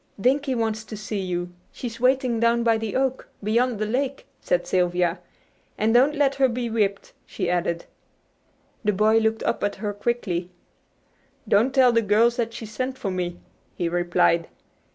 "Dinkie wants to see you. She's waiting down by the oak, beyond the lake," said Sylvia. "And don't let her be whipped," she added. The boy looked up at her quickly. "Don't tell the girls that she sent for me," he replied.